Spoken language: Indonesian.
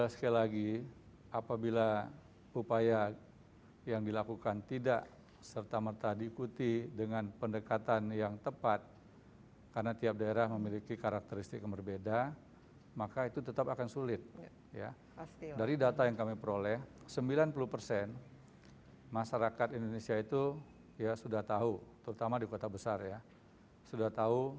saya harapnya ketika saya mulai di daerah